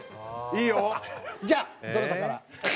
じゃあどなたから？